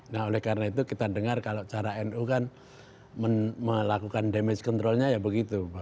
nah oleh karena itu kita dengar kalau cara nu kan melakukan damage controlnya ya begitu